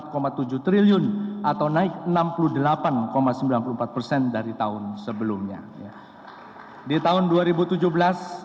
kami juga mengkongsi sumber keuangan di sekolah